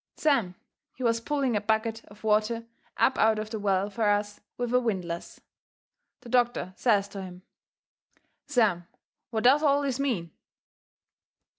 Sam, he was pulling a bucket of water up out of the well fur us with a windlass. The doctor says to him: "Sam, what does all this mean?"